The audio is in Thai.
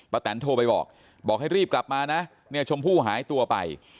แตนโทรไปบอกบอกให้รีบกลับมานะเนี่ยชมพู่หายตัวไป